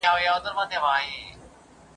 په دښته کي اوبه نه وې.